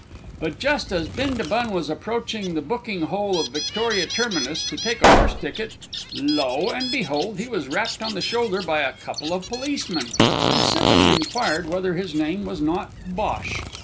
But just as Bindabun was approaching the booking hole of Victoria terminus to take a horse ticket, lo and behold! he was rapped on the shoulder by a couple of policemen, who civilly inquired whether his name was not Bhosh.